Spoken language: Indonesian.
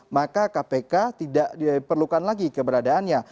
maka kpk tidak diperlukan lagi keberadaannya